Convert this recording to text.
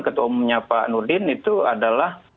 ketua umumnya pak nurdin itu adalah